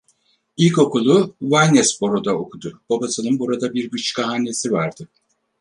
İlk okulu Waynesboro’da okudu, babasının burada bir bıçkıhanesi vardı.